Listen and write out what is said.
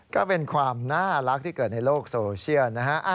ก็เป็นความน่ารักที่เกิดในโลกโซเชียลนะฮะ